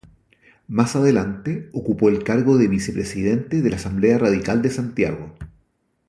Más adelante, ocupó el cargo de vicepresidente de la Asamblea Radical de Santiago.